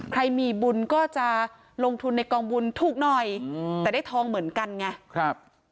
ใครมีบุญก็จะลงทุนในกองบุญถูกหน่อยแต่ได้ทองเหมือนกันไงครับ